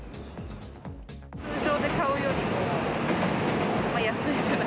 通常で買うよりも安いじゃな